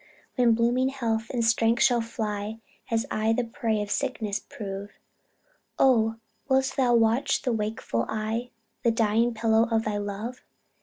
_' When blooming health and strength shall fly And I the prey of sickness prove, Oh! wilt thou watch with wakeful eye, The dying pillow of thy love?